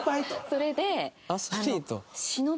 それで。